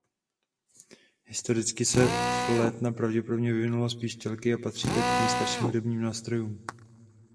Historicky se flétna pravděpodobně vyvinula z píšťaly a patří tak k nejstarším hudebním nástrojům.